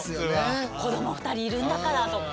子ども２人いるんだからとか。